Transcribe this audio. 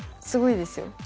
すごいですよ。